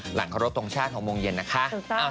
หลังครบทรงชาติ๖โมงเย็นนะคะ